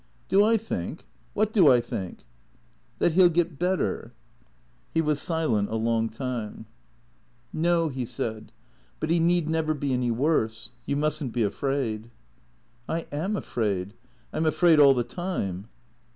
" Do I think ? What do I think ?"" That he '11 get better ?" He was silent a long time. 213 THE CEEATOES " No/' he said. " But he need never be any worse. You must n't be afraid." " I am afraid. I 'm afraid all the time."